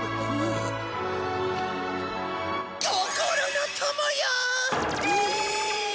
心の友よ！